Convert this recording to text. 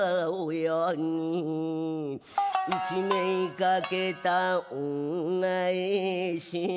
「一命かけた恩返し」